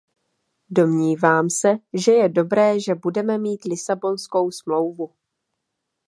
Domnívám se, že je dobré, že budeme mít Lisabonskou smlouvu.